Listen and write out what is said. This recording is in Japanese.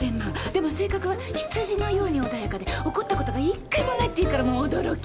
でも性格は羊のように穏やかで怒ったことが一回もないっていうからもう驚き。